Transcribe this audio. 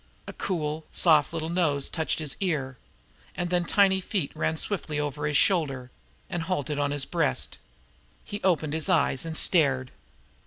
A cool, soft little nose touched his ear, and then tiny feet ran swiftly over his shoulder, and halted on his breast. He opened his eyes, and stared.